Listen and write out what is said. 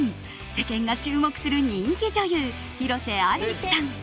世間が注目する人気女優・広瀬アリスさん。